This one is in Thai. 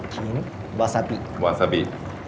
ถิงวาซาบิ